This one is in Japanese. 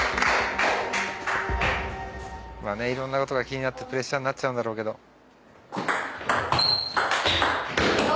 まあねいろんなことが気になってプレッシャーになっちゃうんだろうけど。